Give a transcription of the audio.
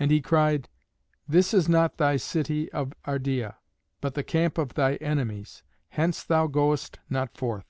And he cried, "This is not thy city of Ardea, but the camp of thy enemies. Hence thou goest not forth."